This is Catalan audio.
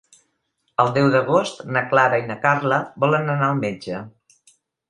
El deu d'agost na Clara i na Carla volen anar al metge.